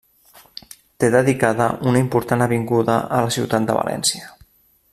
Té dedicada una important avinguda a la ciutat de València.